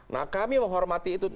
nah kami menghormati itu